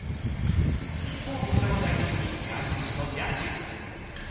一方、こちらも大人気ヤンキースのジャッジ。